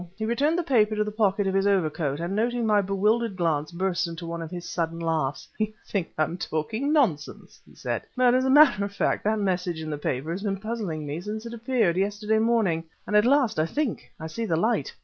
He returned the paper to the pocket of his over coat, and, noting my bewildered glance, burst into one of his sudden laughs. "You think I am talking nonsense," he said; "but, as a matter of fact, that message in the paper has been puzzling me since it appeared yesterday morning and at last I think I see the light."